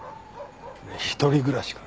一人暮らしか。